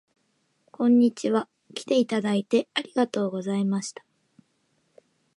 こんにちは。きていただいてありがとうございました